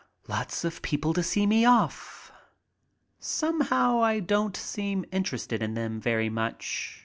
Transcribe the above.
Lots of people to see me off. Somehow I don't seem interested in them very much.